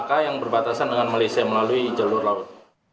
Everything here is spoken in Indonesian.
maka yang berbatasan dengan malaysia melalui jalur laut